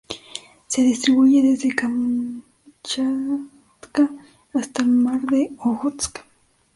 Se distribuye desde Kamchatka hasta el mar de Ojotsk.